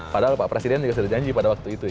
padahal pak presiden juga sudah janji pada waktu itu ya